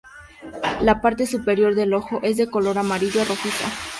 La parte superior del ojo es de color amarillo a rojizo.